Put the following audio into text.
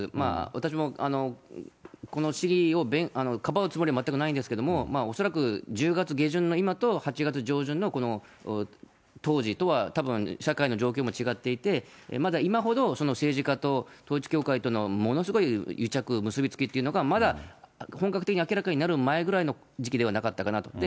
私もこの市議をかばうつもりは全くないんですけれども、恐らく１０月下旬の今と、８月上旬のこの当時とは、たぶん、社会の状況も違っていて、まだ今ほど政治家と統一教会との、ものすごい癒着、結び付きっていうのが、まだ本格的に明らかになる前ぐらいの時期ではなかったかなと。